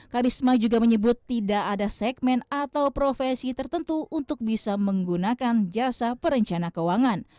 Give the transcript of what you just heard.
karisma juga menyebut tidak ada segmen atau profesi tertentu untuk bisa menggunakan jasa perencana keuangan